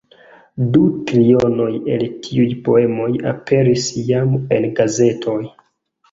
Du trionoj el tiuj poemoj aperis jam en gazetoj.